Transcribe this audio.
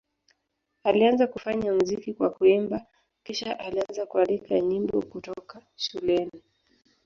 Alianza kufanya muziki kwa kuimba, kisha alianza kuandika nyimbo kutoka shuleni.